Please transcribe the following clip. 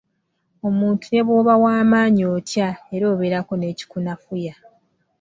Omuntu ne bwoba w'amaanyi otya era obeerako n'ekikunafuya.